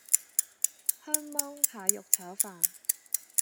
香芒蟹肉炒飯